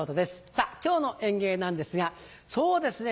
さぁ今日の演芸なんですがそうですね